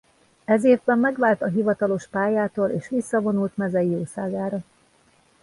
Ez évben megvált a hivatalos pályától és visszavonult mezei jószágára.